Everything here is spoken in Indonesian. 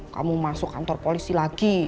kamu masuk kantor polisi lagi